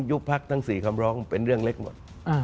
ยุบพักทั้ง๔คำร้องเป็นเรื่องเล็กหมด